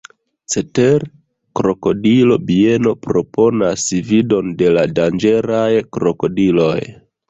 Cetere, krokodilo-bieno proponas vidon de la danĝeraj krokodiloj.